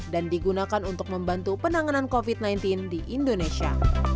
dan digunakan untuk membantu penanganan covid sembilan belas di indonesia